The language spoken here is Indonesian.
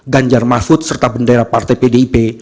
ganjar mahfud serta bendera partai pdip